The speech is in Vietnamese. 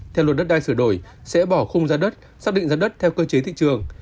theo luật đất đai sửa đổi sẽ bỏ khung giá đất xác định giá đất theo cơ chế thị trường